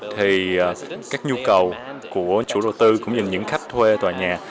thì các nhu cầu của chủ đầu tư cũng như những khách thuê tòa nhà